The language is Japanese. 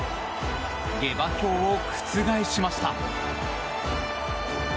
下馬評を覆しました。